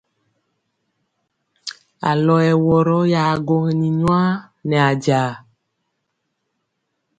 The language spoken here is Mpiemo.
Alɔ yɛ wɔrɔ ya gwogini nyuwa nɛ ajaa.